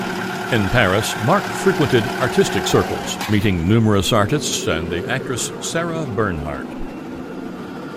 In Paris, Marc frequented artistic circles, meeting numerous artists and the actress Sarah Bernhardt.